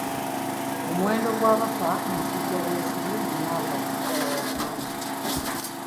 Omuwendo gw'abafa omusujja gw'ensiri buli mwaka gusigala waggulu.